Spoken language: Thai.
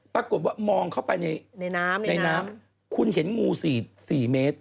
ปรากฏว่ามองเข้าไปในน้ำในน้ำคุณเห็นงู๔เมตร